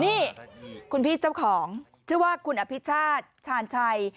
นี่คุณพี่เจ้าของชื่อว่าคุณอภิชาติชาญชัย